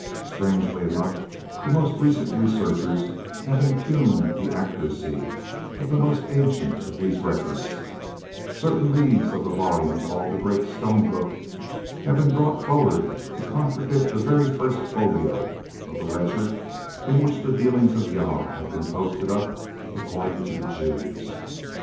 Strangely enough the most recent researches have impugned the accuracy of the most ancient of these records; certain leaves of a volume called the "Great Stone Book," having been brought forward to contradict the very first folio of the ledger in which the dealings of Jah have been posted up according to the Jews.